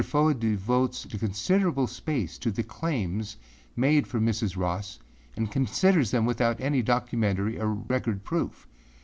Fow devotes considerable space to the claims made for Mrs. Ross and considers them without any documentary or record proof.